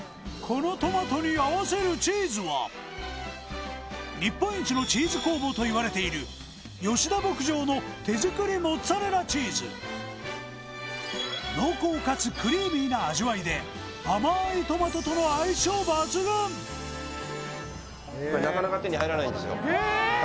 このトマトに合わせるチーズは日本一のチーズ工房といわれている吉田牧場の手作りモッツアレラチーズ濃厚かつクリーミーな味わいで甘いこれなかなか手に入らないんですよ